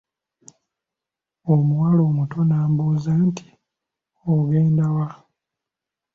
Omuwala omuto n'ambuuza nti, ogenda wa?